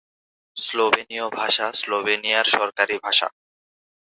স্লোভেনীয় ভাষা স্লোভেনিয়ার সরকারি ভাষা।